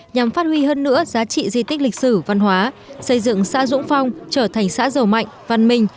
nhằm phát huy hơn nữa giá trị di tích lịch sử văn hóa xây dựng xã dũng phong trở thành xã giàu mạnh văn minh